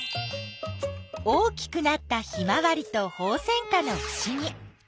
大きくなったヒマワリとホウセンカのふしぎ。